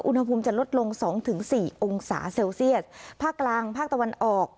อุณหภูมิจะลดลงสองถึงสี่องศาเซลเซียสภาคกลางภาคตะวันออก